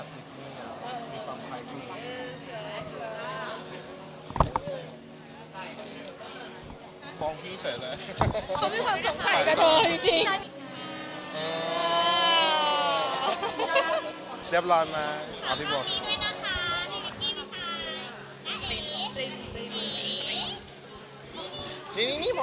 เดี๋ยวตามน้องเล่นหรือพี่เลี้ยวเพิ่ม